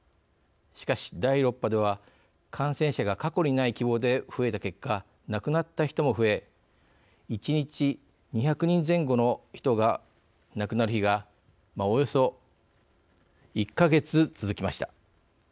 しかし、第６波では感染者が過去にない規模で増えた結果亡くなった人も増え一日２００人前後の人が亡くなる日がおよそ１か月続きました。